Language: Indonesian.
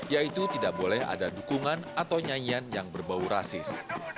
yaitu tidak boleh ada dukungan atau nyanyian yang berbau rasis